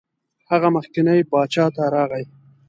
هغه مخکني باچا ته راغی.